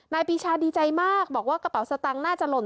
ปีชาดีใจมากบอกว่ากระเป๋าสตางค์น่าจะหล่น